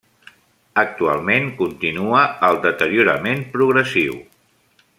Actualment en continua el deteriorament progressiu.